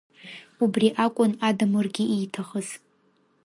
Убри акәын Адамыргьы ииҭахыз.